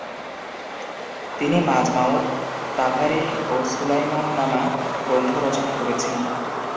তিনি মাজমাওত তাভারিহ ও সুলাইমাননামা গ্রন্থ রচনা করেছেন।